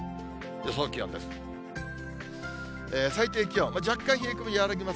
予想気温です。